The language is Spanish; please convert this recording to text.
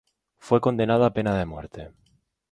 Fue condenado a pena de muerte.